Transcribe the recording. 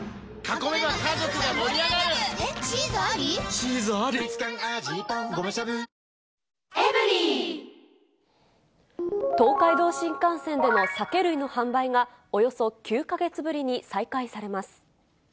知ってて放置して、東海道新幹線での酒類の販売が、およそ９か月ぶりに再開されます。